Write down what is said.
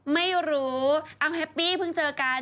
ไม่รู้เอาแฮปปี้เพิ่งเจอกัน